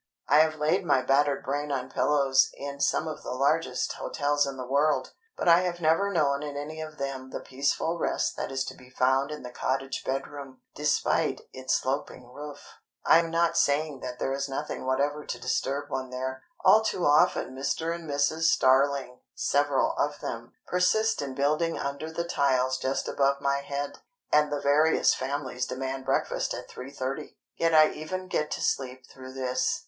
I have laid my battered brain on pillows in some of the largest hotels in the world; but I have never known in any of them the peaceful rest that is to be found in the cottage bedroom, despite its sloping roof. I'm not saying that there is nothing whatever to disturb one there—all too often Mr. and Mrs. Starling (several of them) persist in building under the tiles just above my head, and the various families demand breakfast at 3.30. Yet I even get to sleep through this.